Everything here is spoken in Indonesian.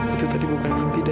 itu tadi bukan mimpi